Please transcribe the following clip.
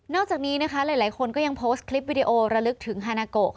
นอกจากนี้นะคะหลายคนยังโพสท์คลิปวิดีโอ